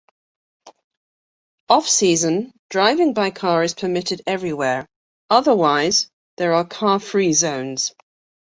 Off-season, driving by car is permitted everywhere, otherwise there are car-free zones.